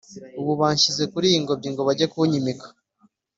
Ubu banshyize muri iyi ngobyi ngo bajye kunyimika,